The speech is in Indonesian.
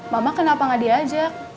mama kenapa gak diajak